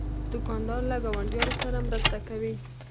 دوکاندار له ګاونډیانو سره مرسته کوي.